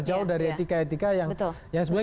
jauh dari etika etika yang sebenarnya